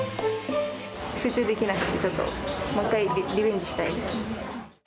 集中できなくて、ちょっと、もう一回、リベンジしたいです。